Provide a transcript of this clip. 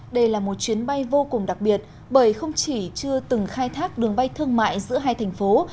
đây là một chuyến bay vô cùng đặc biệt bởi không chỉ chưa từng khai thác đường bay thương mại giữa hai thành phố